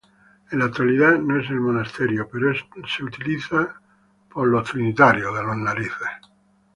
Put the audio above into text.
En la actualidad no es un monasterio, pero es utilizado por la Orden Trinitaria.